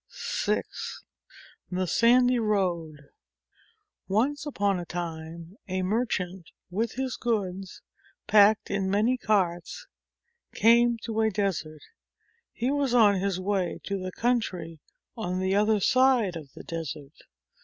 VI THE SANDY ROAD ONCE upon a time a merchant, with his goods packed in many carts, came to a desert. He was on his way to the country on the other side of the desert.